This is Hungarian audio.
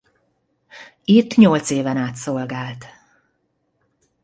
Itt nyolc éven át szolgált.